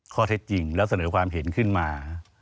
ข้อเท็จจริงแล้วเสนอความเห็นขึ้นมา